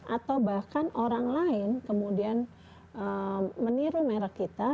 atau bahkan orang lain kemudian meniru merek kita